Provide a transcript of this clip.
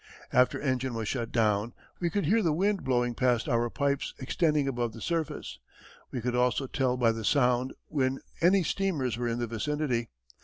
After engine was shut down, we could hear the wind blowing past our pipes extending above the surface; we could also tell by the sound when any steamers were in the vicinity.